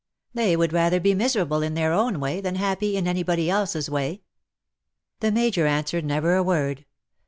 They would rather be miserable in their own way than happy in anybody else's way.'' The Major answered never a word.